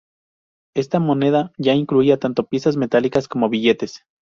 Esta moneda ya incluía tanto piezas metálicas como billetes.